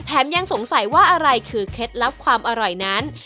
ยังสงสัยว่าอะไรคือเคล็ดลับความอร่อยนั้น